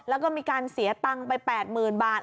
แล้วก็มีการเสียตังค์ไป๘๐๐๐บาท